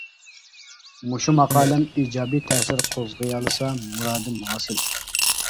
مۇشۇ ماقالەم ئىجابىي تەسىر قوزغىيالىسا مۇرادىم ھاسىل.